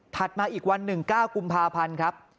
มาอีกวัน๑๙กุมภาพันธ์ครับ